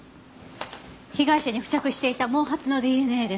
被害者に付着していた毛髪のＤＮＡです。